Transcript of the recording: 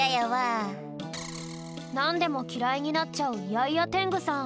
なんでもきらいになっちゃうイヤイヤテングさん。